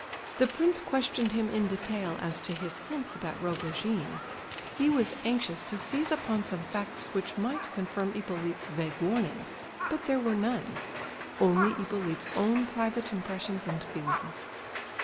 The prince questioned him in detail as to his hints about Rogojin. He was anxious to seize upon some facts which might confirm Hippolyte's vague warnings; but there were none; only Hippolyte's own private impressions and feelings.